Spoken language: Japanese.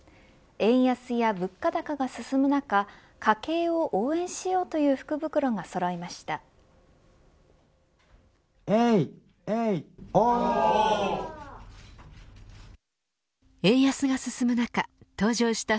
円安や物価高が進む中家計を応援しようという福袋がそろいました。